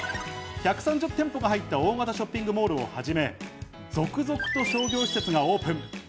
１３０店舗が入った大型ショッピングモールをはじめ、続々と商業施設がオープン。